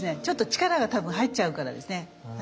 ちょっと力が多分入っちゃうからですね。